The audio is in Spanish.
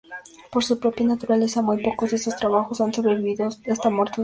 Por su propia naturaleza, muy pocos de estos trabajos han sobrevivido hasta nuestros días.